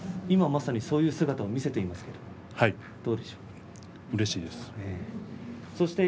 今まさに、そういう姿を見せていますがどうでしょう？